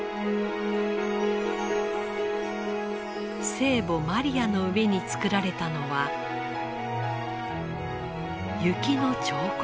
聖母マリアの上に作られたのは雪の彫刻。